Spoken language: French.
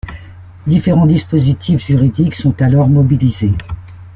Différents dispositifs juridiques sont alors mobilisés.